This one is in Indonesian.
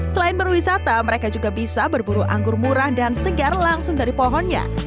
selain berwisata mereka juga bisa berburu anggur murah dan segar langsung dari pohonnya